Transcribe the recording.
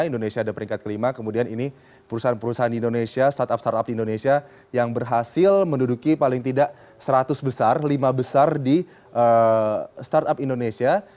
indonesia ada peringkat kelima kemudian ini perusahaan perusahaan di indonesia startup startup di indonesia yang berhasil menduduki paling tidak seratus besar lima besar di startup indonesia